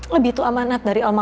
lebih itu amanat dari alma